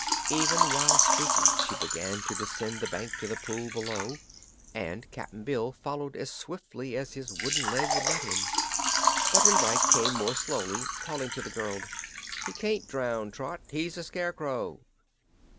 Even while speaking she began to descend the bank to the pool below, and Cap'n Bill followed as swiftly as his wooden leg would let him. Button Bright came more slowly, calling to the girl: "He can't drown, Trot; he's a Scarecrow."